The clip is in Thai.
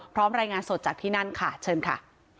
รายงานสดจากที่นั่นค่ะเชิญค่ะ